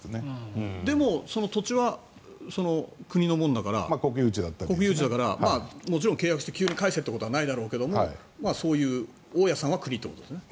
でも、その土地は国のものだから、国有地だからもちろん契約して急に返せということはないだろうけどそういう、大家さんは国ということですね。